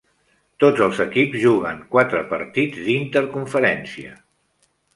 Tots els equips juguen quatre partits d'interconferència